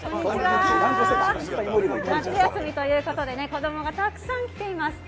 夏休みということで子供がたくさん来ています。